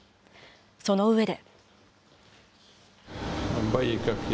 その上で。